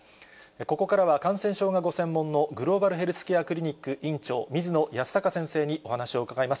ここからは感染症がご専門の、グローバルヘルスケアクリニック院長、水野泰孝先生にお話を伺います。